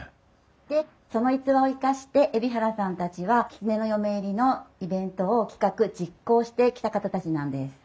でその逸話を生かして海老原さんたちはきつねの嫁入りのイベントを企画実行してきた方たちなんです。